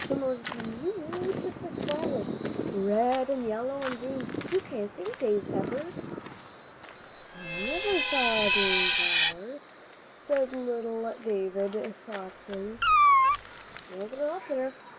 The most be yewtiful flowers, red and yellow and green, you can't think, Dave Pepper." "I never saw a green flower," said little David, thoughtfully. "Well, they're up there.